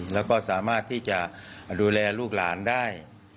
แล้วก็สามารถที่จะดูแลลูกหลานได้